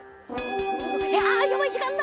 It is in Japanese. あやばい時間だ！